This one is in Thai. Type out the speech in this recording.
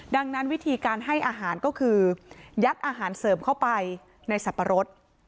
ดังนั้นวิธีการให้อาหารก็คือยัดอาหารเสริมเข้าไปในสับปะรด